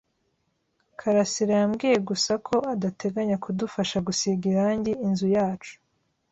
karasira yambwiye gusa ko adateganya kudufasha gusiga irangi inzu yacu.